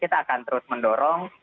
kita akan terus mendorong